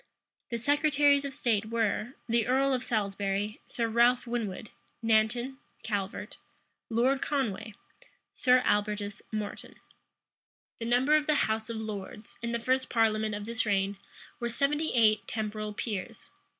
The secretaries of state were, the earl of Salisbury, Sir Ralph Winwood, Nanton, Calvert, Lord Conway, Sir Albertus Moreton. The numbers of the house of lords, in the first parliament of this reign, were seventy eight temporal peers.